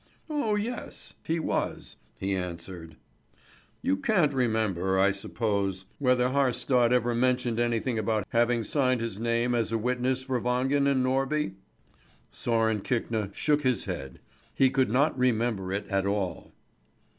Oh yes! He was, he answered. "You can't remember, I suppose, whether Haarstad ever mentioned anything about having signed his name as a witness for Wangen and Norby?" Sören Kvikne shook his head. He could not remember it at all.